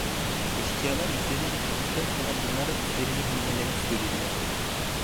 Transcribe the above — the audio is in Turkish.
Eşkıyalar işlerini bitirdikten sonra bunlara üstlerini giymelerini söylediler.